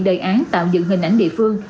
đề án tạo dựng hình ảnh địa phương